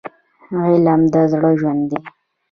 علم د زړه ژوند دی.